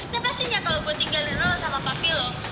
nah pastinya kalo gue tinggalin elu elu sama papi lo